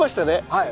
はい。